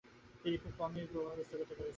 তিনি খুব কমই প্রভাব বিস্তার করতে সক্ষম হয়েছিলেন।